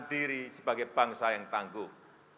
diri sebagai bangsa yang tangguh